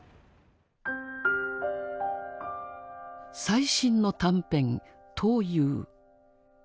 最新の短編「闘魚」。